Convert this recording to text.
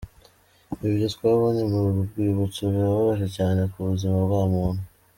Ibyo twabonye mu rwibutso birababaje cyane ku buzima bwa muntu.